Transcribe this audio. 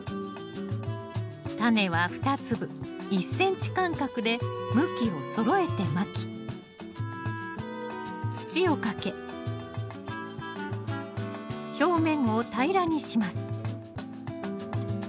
タネは２粒１ｃｍ間隔で向きをそろえてまき土をかけ表面を平らにします。